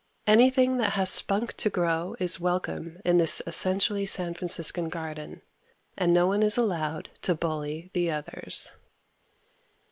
Anything that has spunk to grow is welcome in this essentially San Franciscan garden. And no one is allowed to bully the others.